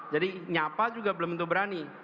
jadi nyapa juga belum tentu berani